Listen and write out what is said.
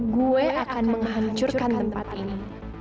gue akan menghancurkan tempat ini